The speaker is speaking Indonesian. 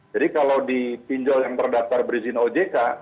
jadi kalau di pinjol yang terdaftar berizin ojk